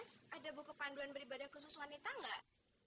mas ada buku panduan beribadah khusus wanita gak